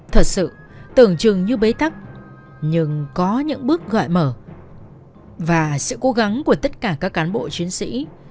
thật sự tưởng chừng như bế tắc nhưng có những bước gọi mở và sự cố gắng của tất cả các cán bộ chiến sĩ